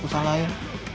paruk salah ya